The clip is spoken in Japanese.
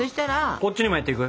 こっちにもやっていく？